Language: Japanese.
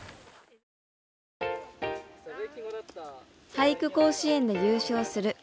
「俳句甲子園」で優勝する。